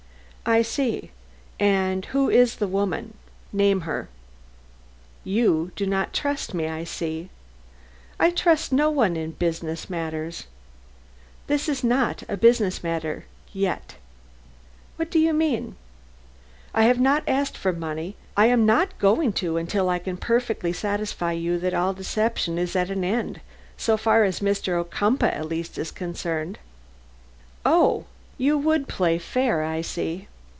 "I see and who is the woman? Name her." "You do not trust me, I see." "I trust no one in business matters." "This is not a business matter yet." "What do you mean?" "I have not asked for money. I am not going to till I can perfectly satisfy you that all deception is at an end so far as Mr. Ocumpaugh at least is concerned." "Oh, you would play fair, I see."